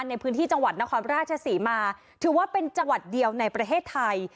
ในพื้นที่จังหวัดนครราชศรีมาถือว่าเป็นจังหวัดเดียวในประเทศไทย